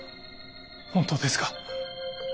本当ですか？